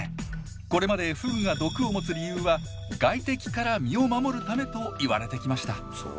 これまでフグが毒を持つ理由は「外敵から身を守るため」と言われてきました。